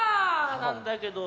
なんだけど。